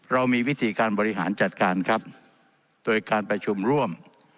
เรามีวิธีการบริหารจัดการครับโดยการประชุมร่วม